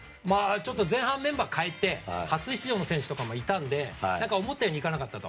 前半メンバーを代えて初出場の選手とかもいたので思ったようにいかなかったと。